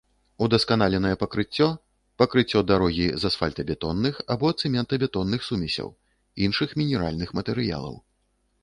Удасканаленае пакрыццё — пакрыццё дарогі з асфальтабетонных або цэментабетонных сумесяў, іншых мінеральных матэрыялаў